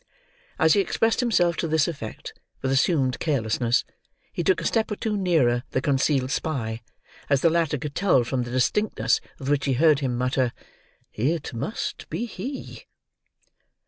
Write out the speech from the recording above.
As he expressed himself to this effect, with assumed carelessness, he took a step or two nearer the concealed spy, as the latter could tell from the distinctness with which he heard him mutter, "It must be he!"